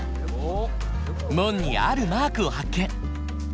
門にあるマークを発見！